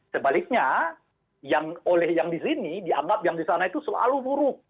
sebaliknya yang oleh yang di sini dianggap yang di sana itu selalu buruk